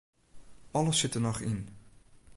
Alles sit der noch yn.